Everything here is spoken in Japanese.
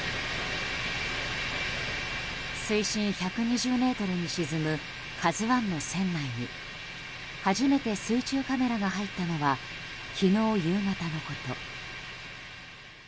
水深１２０ｍに沈む「ＫＡＺＵ１」の船内に初めて水中カメラが入ったのは昨日夕方のこと。